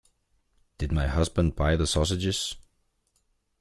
Did my husband buy the sausages?